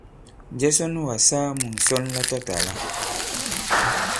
Njɛ sɔ nu kà-saa mu ŋ̀sɔn latatàla?